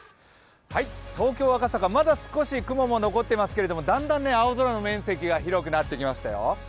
東京・赤坂、まだ少し雲が残っていますけどだんだん青空の面積が広くなってきましたよ。